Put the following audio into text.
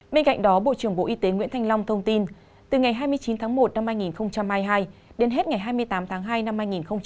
bên cạnh đó bộ trưởng bộ y tế nguyễn thanh long thông tin từ ngày hai mươi chín tháng một năm hai nghìn hai mươi hai đến hết ngày hai mươi tám tháng hai năm hai nghìn hai mươi